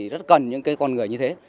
rất cần những con người như thế